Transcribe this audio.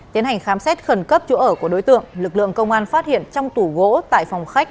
tiến hành khám xét khẩn cấp chỗ ở của đối tượng lực lượng công an phát hiện trong tủ gỗ tại phòng khách